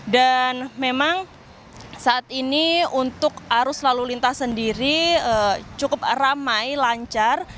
dan memang saat ini untuk arus lalu lintas sendiri cukup ramai lancar